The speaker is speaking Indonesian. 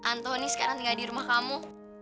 antoni sekarang tinggal di rumah kamu